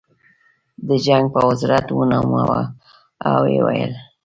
د جنګ په وزارت ونوموه او ویې ویل